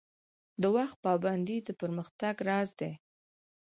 د وخت پابندي د پرمختګ راز دی